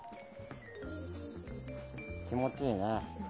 気持ちいいね。